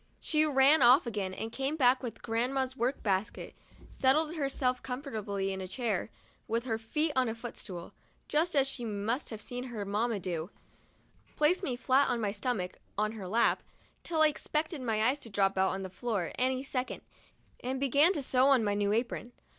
She ran off again, and came back with grandma's work basket, settled herself comfortably in a chair, with her feet on a footstool, just as she must have seen her mamma do ; placed me flat on my stomach on her lap, till I expected my eyes to drop out on the floor any second, and began to sew on my new apron.